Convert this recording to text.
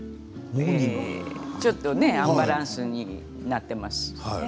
ちょっとアンバランスになっています。